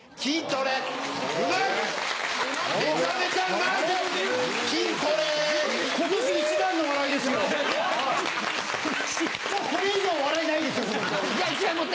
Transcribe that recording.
今年一番の笑いですよ。